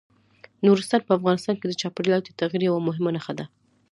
نورستان په افغانستان کې د چاپېریال د تغیر یوه مهمه نښه ده.